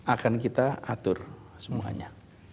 akan kita atur semuanya